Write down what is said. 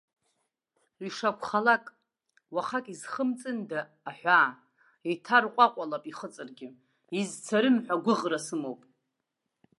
Ишакәхалак, уахак изхымҵындаз аҳәаа, иҭарҟәаҟәалап ихыҵыргьы, изцарым ҳәа агәыӷра сымоуп.